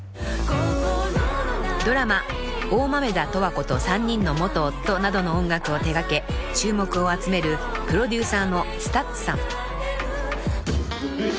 ［ドラマ『大豆田とわ子と三人の元夫』などの音楽を手掛け注目を集めるプロデューサーの］